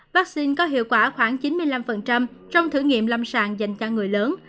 vaccine có hiệu quả khoảng chín mươi năm trong thử nghiệm lâm sàng dành cho người lớn